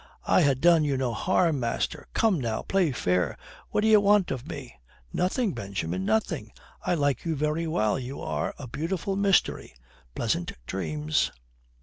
"I ha' done you no harm, master. Come now, play fair. What d'ye want of me?" "Nothing, Benjamin, nothing. I like you very well. You are a beautiful mystery. Pleasant dreams."